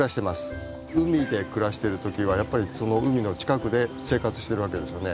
海で暮らしている時はやっぱり海の近くで生活しているわけですよね。